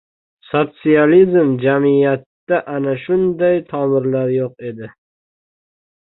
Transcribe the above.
Sotsializm jamyatida ana shunday tomirlar yo‘q edi.